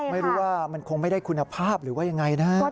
ไม่รู้ว่ามันคงไม่ได้คุณภาพหรือว่ายังไงนะครับ